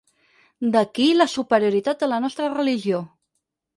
D'aquí la superioritat de la nostra religió.